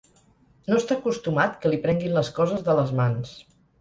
No està acostumat que li prenguin les coses de les mans.